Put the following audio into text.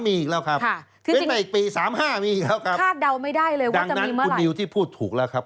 มีอีกแล้วครับเว้นไปอีกปี๓๕มีอีกแล้วครับดังนั้นคุณดิวที่พูดถูกแล้วครับคาดเดาไม่ได้ว่าจะมีเมื่อไหร่